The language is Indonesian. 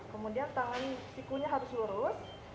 kemudian tangan sikunya harus lurus